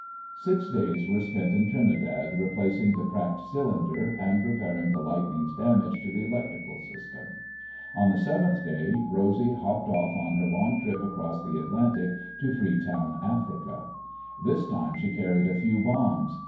Six days were spent in Trinidad, replacing the cracked cylinder and repairing the lightning's damage to the electrical system. On the seventh day Rosy hopped off on her long trip across the Atlantic to Freetown, Africa. This time she carried a few bombs.